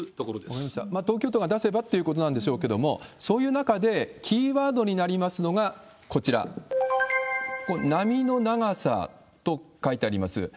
東京都が出せばということなんでしょうけれども、そういう中で、キーワードになりますのがこちら、波の長さと書いてあります。